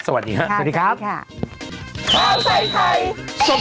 สวัสดีครับ